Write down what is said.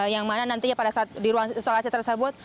yang mana nantinya pada saat di ruang isolasi tersebut